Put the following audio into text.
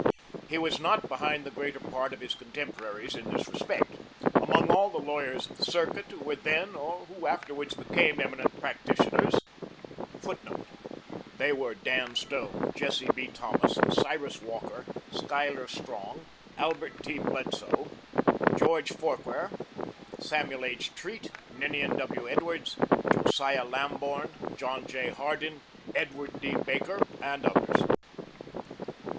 He was not behind the greater part of his contemporaries in this respect. Among all the lawyers of the circuit who were then, or who afterwards became, eminent practitioners, [Footnote: They were Dan Stone, Jesse B. Thomas, Cyrus Walker, Schuyler Strong, Albert T. Bledsoe, George Forquer, Samuel H. Treat, Ninian W. Edwards, Josiah Lamborn, John J. Hardin, Edward D. Baker, and others.